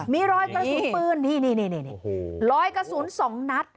มีรอยกระสุนพื้นนี่นี่นี่นี่รอยกระสุนสองนัด